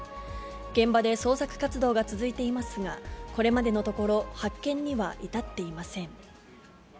現場で捜索活動が続いていますが、これまでのところ、発見には至っていません。